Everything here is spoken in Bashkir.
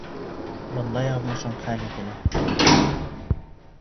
Бында яҙмышың хәл ителә.